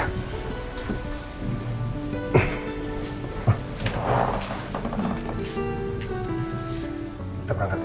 kita bangat ya